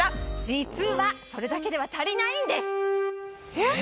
実はそれだけでは足りないんです！